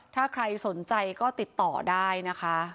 ถ้าใครสนใจก็ติดต่อได้นะคะ